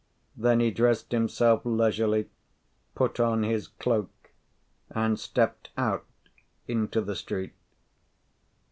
Then he dressed himself leisurely, put on his cloak, and stepped out into the street.